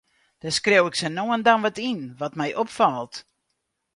Dêr skriuw ik sa no en dan wat yn, wat my opfalt.